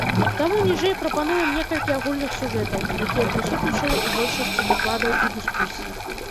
Таму ніжэй прапануем некалькі агульных сюжэтаў, якія прысутнічалі ў большасці дакладаў і дыскусіі.